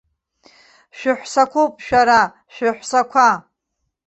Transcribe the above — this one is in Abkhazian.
Шәыҳәсақәоуп шәара, шәыҳәсақәа.